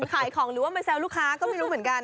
ขายของหรือว่ามาแซวลูกค้าก็ไม่รู้เหมือนกัน